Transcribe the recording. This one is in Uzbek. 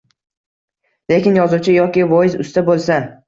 Lekin yozuvchi yoki voiz usta bo‘lsa